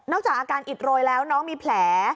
จากอาการอิดโรยแล้วน้องมีแผล